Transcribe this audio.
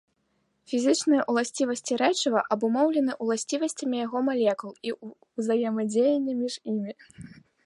Фізічныя ўласцівасці рэчыва абумоўлены ўласцівасцямі яго малекул і ўзаемадзеяння між імі.